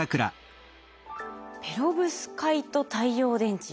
ペロブスカイト太陽電池。